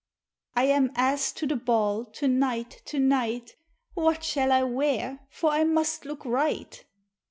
"I am asked to the ball to night, to night; What shall I wear, for I must look right?"